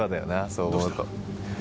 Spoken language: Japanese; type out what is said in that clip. そう思うと。